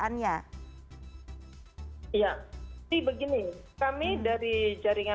nah ini harus naik